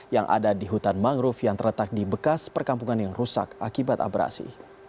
yang ada di hutan mangrove yang terletak di bekas perkampungan yang rusak akibat abrasi